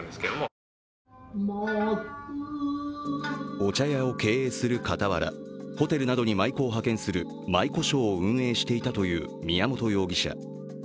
お茶屋を経営する傍ら、ホテルなどに舞妓を派遣する舞妓ショーを運営していたという宮本容疑者。